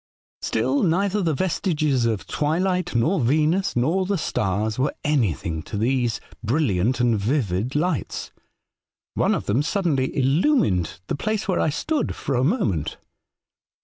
Still neither A Strange Letter, 51 the vestiges of twilight, nor Venus, nor the stars were anything to these brilHant and vivid lights. One of them suddenly illumined the place where I stood, for a moment.